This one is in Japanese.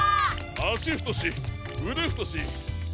あしふとしうでふとしパピヨ！